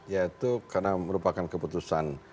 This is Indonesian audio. ya itu karena merupakan keputusan